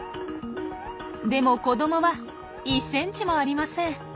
でも子どもは１ｃｍもありません。